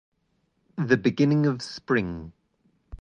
The beginning of spring.